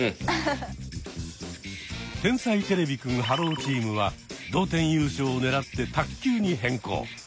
天才てれびくんｈｅｌｌｏ，チームは同点優勝を狙って卓球に変更。